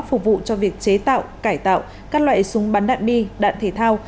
phục vụ cho việc chế tạo cải tạo các loại súng bắn đạn bi đạn thể thao